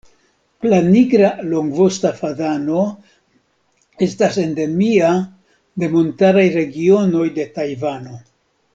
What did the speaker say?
La Nigra longvosta fazano estas endemia de montaraj regionoj de Tajvano.